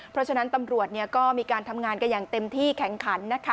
เพราะฉะนั้นตำรวจก็มีการทำงานกันอย่างเต็มที่แข็งขันนะคะ